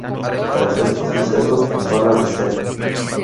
Tras estos sucesos pasó a la reserva.